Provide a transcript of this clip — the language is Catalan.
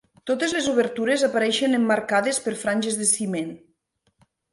Totes les obertures apareixen emmarcades per franges de ciment.